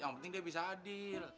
yang penting dia bisa adil